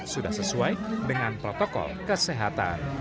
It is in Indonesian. sudah sesuai dengan protokol kesehatan